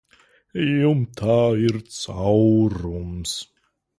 Jumtā ir caurums.